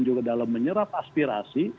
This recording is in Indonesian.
juga dalam menyerap aspirasi